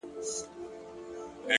د بدلون منل د ودې پیل دی!